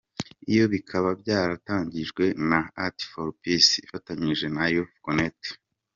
Ibyo bikaba byaratangijwe na “Arts for peace” ifatanyije na “Youthconnekt”.